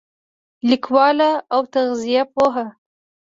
لیکواله او تغذیه پوهه